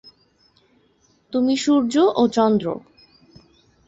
তুমি সূর্য ও চন্দ্র।